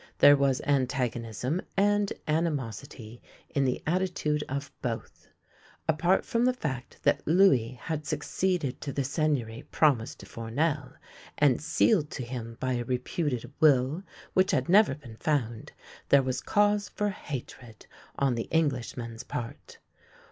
There was antagonism and animosity in the attitude of both. Apart from the fact that Louis had succeeded to the Seigneury promised to Fournel, and sealed to him by a reputed will which had never been found, there was cause for hatred on the Englishman's part.